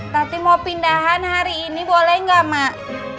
tati mau pindahan hari ini boleh nggak emak